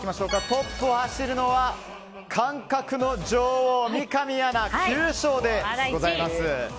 トップを走るのは感覚の女王三上アナ９勝でございます。